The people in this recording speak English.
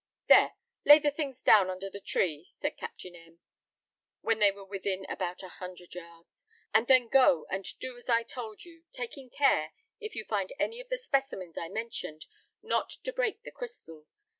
"There; lay the things down under the tree," said Captain M , when they were within about a hundred yards, "and then go and do as I told you, taking care, if you find any of the specimens I mentioned, not to break the crystals.